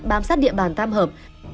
bám sát địa bàn tam hợp